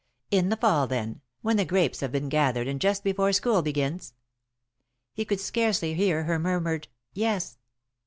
"In the Fall, then, when the grapes have been gathered and just before school begins?" He could scarcely hear her murmured: "Yes."